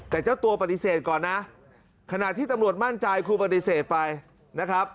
แต่เจ้าตัวปฏิเสธก่อนนะขณะที่ตำรวจมั่นใจครูปฏิเสธไปนะครับ